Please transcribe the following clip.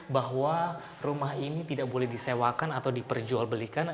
bahwa rumah ini tidak boleh disewakan atau diperjualbelikan